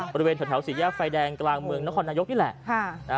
บริเวณแถวสี่แยกไฟแดงกลางเมืองนครนายกนี่แหละ